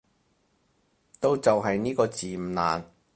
都就係呢個字唔難